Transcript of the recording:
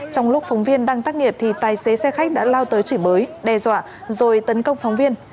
trong lúc phóng viên đang tác nghiệp thì tài xế xe khách đã lao tới chỉ bới đe dọa rồi tấn công phóng viên